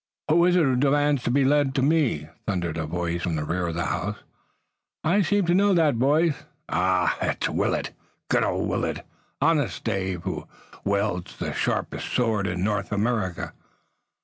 "Who is it who demands to be led to me?" thundered a voice from the rear of the house. "I seem to know that voice! Ah, it's Willet! Good old Willet! Honest Dave, who wields the sharpest sword in North America!"